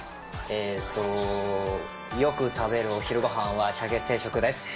えーと、よく食べるお昼ごはんはしゃけ定食です。